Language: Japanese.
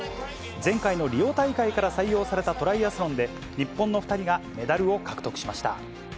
前回のリオ大会から採用されたトライアスロンで、日本の２人がメダルを獲得しました。